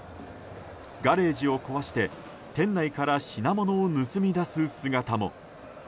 ガレージを壊して店内から品物を盗み出す姿も。